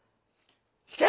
引け！